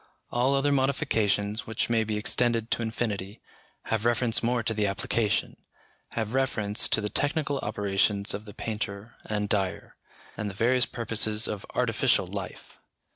All other modifications, which may be extended to infinity, have reference more to the application, have reference to the technical operations of the painter and dyer, and the various purposes of artificial life.